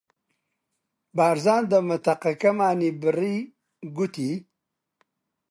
بارزان دەمەتەقەکەمانی بڕی، گوتی: